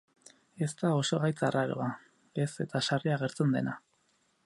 Ez da oso gaitz arraroa, ez eta sarri agertzen dena.